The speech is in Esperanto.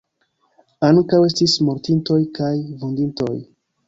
Ankaŭ estis mortintoj kaj vunditoj.